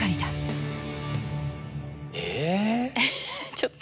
ちょっと。